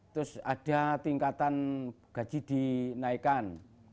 terus ada tingkatan gaji dinaikkan